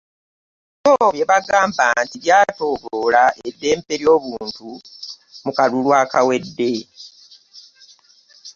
Bo bye bagamba nti byatyoboola eddembe ly'obuntu mu kalulu akawedde